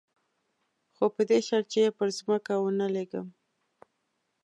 خو په دې شرط چې پر ځمکه ونه لېږم.